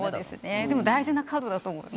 でも大事なカードだと思います。